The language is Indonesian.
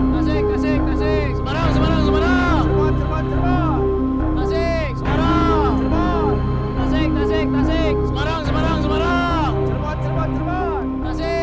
tidak ada yang tahu